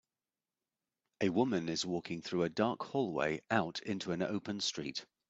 A woman is walking through a dark hallway out into an open street.